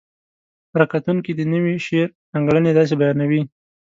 ره کتونکي د نوي شعر ځانګړنې داسې بیانوي: